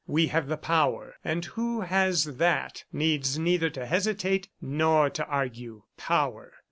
We have the power, and who has that needs neither to hesitate nor to argue. ... Power!